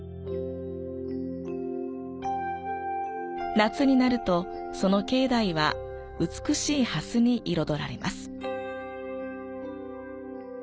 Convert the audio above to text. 夏になるとその境内は美しいハスに彩られます。